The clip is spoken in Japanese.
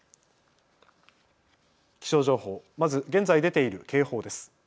気象情報、まず現在出ている警報です。